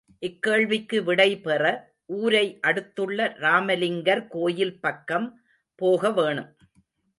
இக்கேள்விக்கு விடை பெற, ஊரை அடுத்துள்ள ராமலிங்கர் கோயில் பக்கம் போக வேணும்.